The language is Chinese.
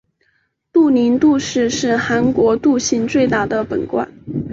杜陵杜氏是韩国杜姓最大的本贯。